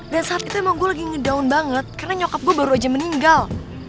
dan saat itu emang gue lagi ngedown banget karena nyokap gue baru aja meninggal